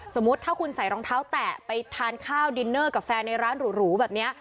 สมมุติถ้าคุณใส่รองเท้าแตะไปทานข้าวดินเนอร์กับแฟนในร้านหรูแบบนี้